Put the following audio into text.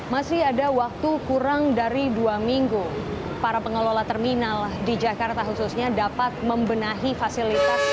masih ada waktu kurang dari dua minggu para pengelola terminal di jakarta khususnya dapat membenahi fasilitas